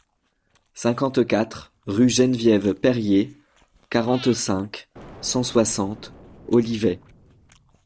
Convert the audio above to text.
cinquante-quatre rue Geneviève Perrier, quarante-cinq, cent soixante, Olivet